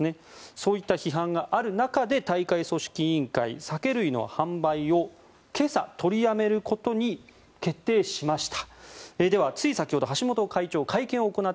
そういった批判がある中で大会組織委員会は酒類の販売を今朝取りやめることに決定しました。